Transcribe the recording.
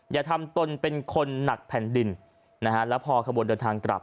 อย่าทำตนเป็นคนหนักแผ่นดินนะฮะแล้วพอขบวนเดินทางกลับ